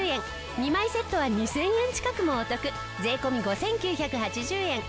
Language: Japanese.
２枚セットは２０００円近くもお得税込５９８０円。